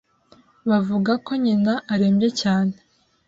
Bavuga ko nyina arembye cyane.